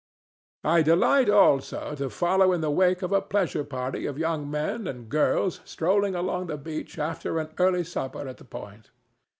I delight, also, to follow in the wake of a pleasure party of young men and girls strolling along the beach after an early supper at the Point.